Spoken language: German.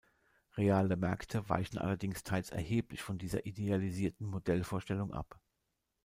Reale Märkte weichen allerdings teils erheblich von dieser idealisierten Modellvorstellung ab.